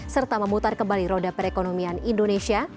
serta memutar kembali roda perekonomian indonesia